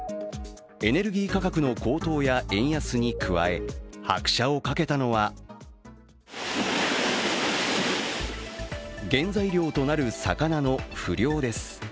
エネルギー価格の高騰や円安に加え拍車をかけたのは原材料となる魚の不漁です。